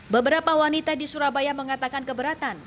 beberapa wanita di surabaya mengatakan keberatan